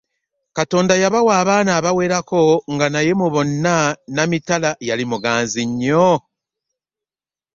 Katonda yabawa abaana abawerako nga naye mu bonna Namitala yali muganzi nnyo.